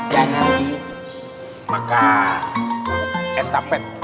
jangan lagi makan estafet